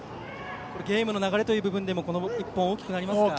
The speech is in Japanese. ゲームの流れという部分でもこの１本は大きくなりますか？